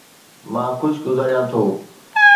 مان خوش گذاريان ٿو